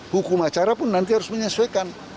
hukum acara pun nanti harus menyesuaikan